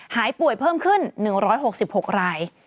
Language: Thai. หายป่วยเพิ่มขึ้น๑๖๖ราย